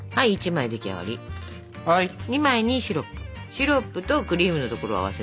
シロップとクリームのところを合わせるのよね。